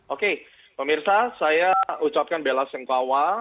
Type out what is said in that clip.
oke pemirsa saya ucapkan belas yang kawal